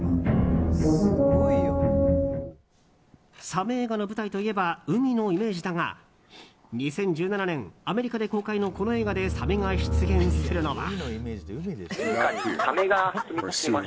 サメ映画の舞台といえば海のイメージだが２０１７年アメリカで公開のこの映画でサメが出現するのは。